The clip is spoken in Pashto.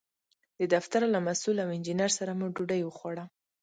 د دفتر له مسوول او انجینر سره مو ډوډۍ وخوړه.